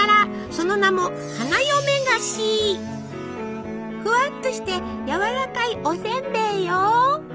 その名もふわっとしてやわらかいおせんべいよ。